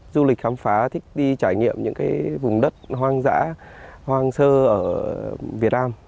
du lịch khám phá thích đi trải nghiệm những cái vùng đất hoang dã hoang sơ ở việt nam